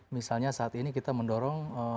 misalnya saat ini kita mendorong